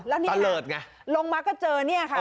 แล้วนี่ลงมาก็เจอเนี่ยค่ะ